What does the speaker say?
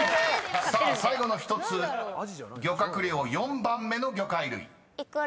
［さあ最後の１つ漁獲量４番目の魚介類］